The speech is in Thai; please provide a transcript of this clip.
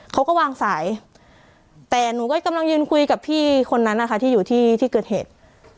เขาก็วางสายแต่หนูก็กำลังยืนคุยกับพี่คนนั้นนะคะที่อยู่ที่ที่เกิดเหตุ